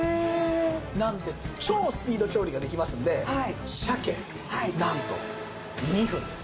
なので超スピード調理ができますんで鮭なんと２分です。